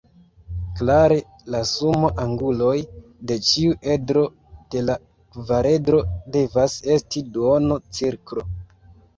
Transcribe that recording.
Klare la sumo anguloj de ĉiu edro de la kvaredro devas esti duono-cirklo.